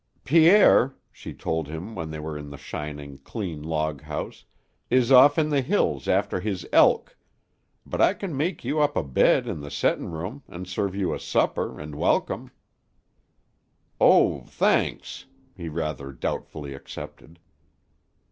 "Pierre," she told him when they were in the shining, clean log house, "is off in the hills after his elk, but I can make you up a bed in the settin' room an' serve you a supper an' welcome." "Oh, thanks," he rather doubtfully accepted.